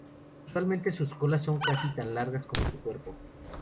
Usualmente, sus colas son casi tan largas como su cuerpo.